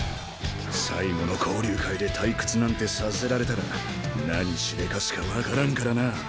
最後の交流会で退屈なんてさせられたら何しでかすか分からんからな。